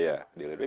iya di lirik